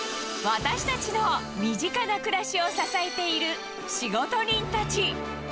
私たちの身近な暮らしを支えている仕事人たち。